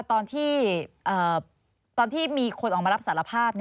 ตอนที่มีคนออกมารับสารภาพ